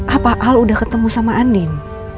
apa al udah ketemu sama andin